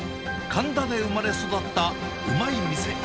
神田で生まれ育ったうまい店。